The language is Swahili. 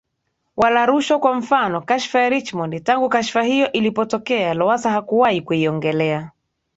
wala rushwa Kwa mfano kashfa ya Richmond Tangu kashfa hiyo ilipotokea Lowassa hakuwahi kuiongelea